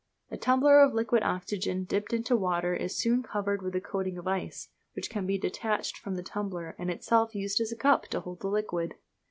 A tumbler of liquid oxygen dipped into water is soon covered with a coating of ice, which can be detached from the tumbler and itself used as a cup to hold the liquid.